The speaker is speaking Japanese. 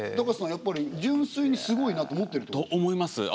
やっぱり純粋にすごいなと思ってるってこと？と思います。